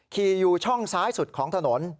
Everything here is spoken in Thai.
อยู่ช่องซ้ายสุดของถนน